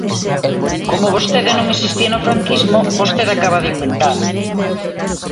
Como vostede non existía no franquismo, vostede acaba de inventalo.